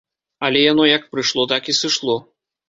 Але яно як прыйшло, так і сышло.